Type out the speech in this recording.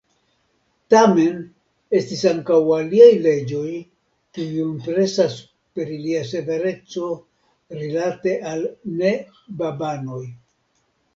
Tamen estis ankaŭ aliaj leĝoj, kiuj impresas per ilia severeco rilate al ne-babanoj.